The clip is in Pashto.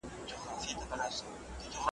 دا له زوره ډکي موټي .